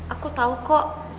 aku tau kok